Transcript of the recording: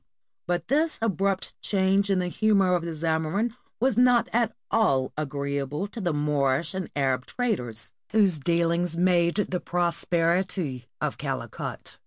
But this abrupt change in the humor of the Zamorin was not at all agreeable to the Moorish and Arab traders, whose dealings made the prosperity of Calicut.